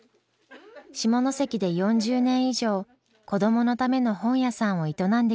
下関で４０年以上子どものための本屋さんを営んできました。